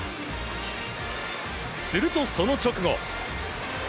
するとその直後。